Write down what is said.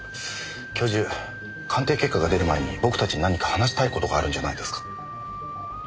教授鑑定結果が出る前に僕たちに何か話したい事があるんじゃないですか？